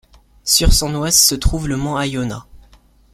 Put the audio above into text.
Sur son ouest se trouve le mont Aiona.